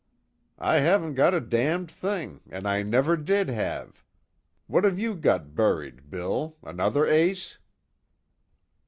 "I haven't got a damned thing, and I never did have. What have you got buried, Bill, another ace?"